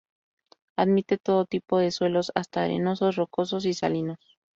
Admite todo tipo de suelos, hasta arenosos, rocosos y salinos.